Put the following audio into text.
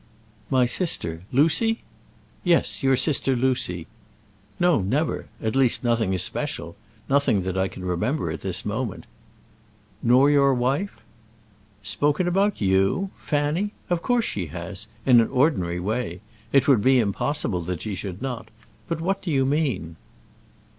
"My sister; Lucy?" "Yes; your sister Lucy." "No, never; at least nothing especial; nothing that I can remember at this moment." "Nor your wife?" "Spoken about you! Fanny? Of course she has, in an ordinary way. It would be impossible that she should not. But what do you mean?"